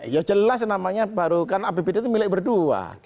ya jelas namanya baru kan apbd itu milik berdua